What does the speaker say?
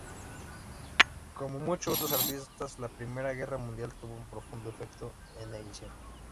Como muchos otros artistas, la Primera Guerra Mundial tuvo un profundo efecto en Nielsen.